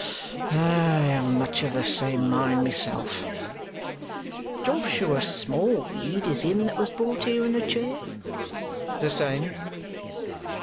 Humph! I am much of the same mind myself." "Joshua Smallweed is him that was brought here in a chair?" "The same."